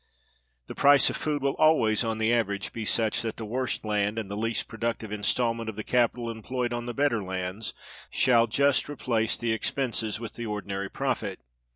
The price of food will always on the average be such that the worst land, and the least productive installment of the capital employed on the better lands, shall just replace the expenses with the ordinary profit.